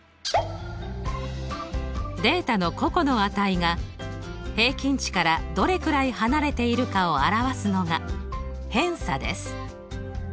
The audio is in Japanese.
データの個々の値が平均値からどれくらい離れているかを表すのが偏差です。